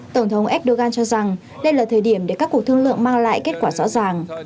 tổng thống erdogan cho rằng đây là thời điểm để các cuộc thương lượng mang lại kết quả rõ ràng